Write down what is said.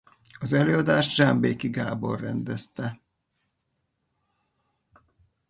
Az előadást Zsámbéki Gábor rendezte.